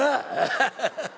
ハハハハ！